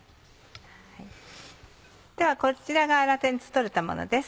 ではこちらが粗熱取れたものです。